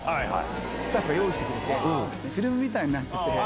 スタッフが用意してくれて、フィルムみたいになってて。